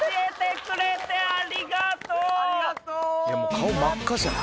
顔真っ赤じゃん。